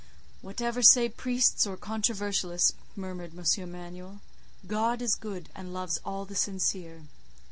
"Whatever say priests or controversialists," murmured M. Emanuel, "God is good, and loves all the sincere.